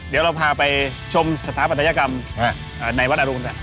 เดี๋ยวเราพาไปชมสถาบัติรากรรมในวัดอรุณฝรั่ง